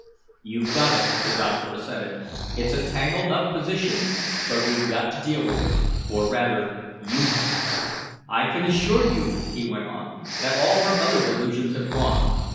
"You've got it," the doctor assented. "It's a tangled up position, but we've got to deal with it or rather you have. I can assure you," he went on, "that all her other delusions have gone.